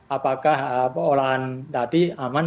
apakah perolahan tadi aman